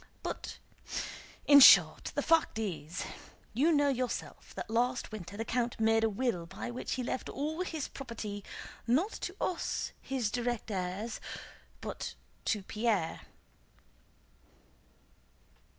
"But... in short, the fact is... you know yourself that last winter the count made a will by which he left all his property, not to us his direct heirs, but to Pierre."